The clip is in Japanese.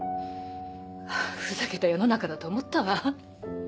ふざけた世の中だと思ったわ。